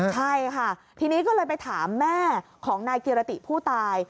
ใช่ค่ะทีนี้ก็เลยไปถามแม่ของนายกิรติผู้ตาย